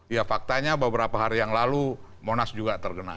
ya faktanya beberapa hari yang lalu monas juga terkena